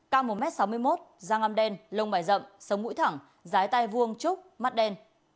cao một m sáu mươi một da ngăm đen lông bài rậm sống mũi thẳng dái tay vuông trúc mắt đen